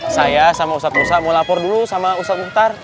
saya sama ustadz ustadz mau lapor dulu sama ustadz mukhtar